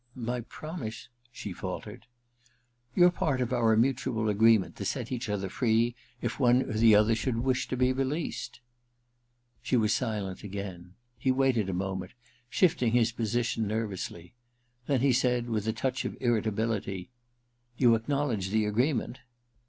* My promise ' she faltered. * Your part of our mutual agreement to set each other free if one or the other should wish to be released.' She was silent again. He waited a moment, shifting his position nervously ; then he said, with a touch of irritability :* You acknowledge the agreement